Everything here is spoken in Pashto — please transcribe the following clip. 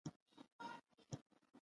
راکټ د زده کړې یوه غوره موضوع ده